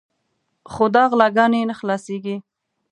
خو دا غلاګانې نه خلاصېږي.